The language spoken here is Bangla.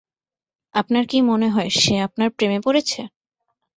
আপনার কি মনে হয় সে আপনার প্রেমে পড়েছে?